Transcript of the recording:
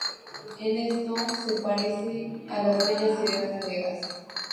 En esto se parece a las bellas sirenas griegas.